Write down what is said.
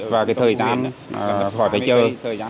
và thời gian khỏi phải chơi